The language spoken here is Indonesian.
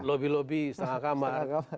lobby lobby setengah kamar